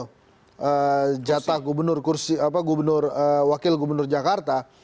kalau kemudian gerindra tetap kekeh ingin mengambil jatah gubernur wakil gubernur jakarta